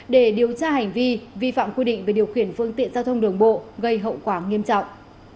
để điều tra hành vi vi phạm quy định về điều khiển phương tiện giao thông đường bộ gây hậu quả nghiêm trọng